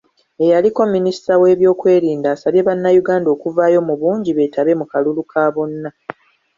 Eyaliko Minisita w'ebyokwerinda, asabye bannayuganda okuvaayo mu bungi beetabe mu kalulu ka bonna